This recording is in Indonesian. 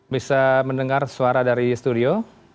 bisa mendengar suara dari studio